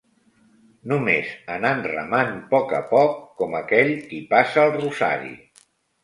No més anant remant poc a poc, com aquell qui passa'l rosari